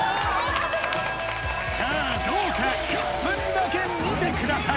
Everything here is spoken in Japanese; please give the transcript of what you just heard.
さぁどうか１分だけ見てください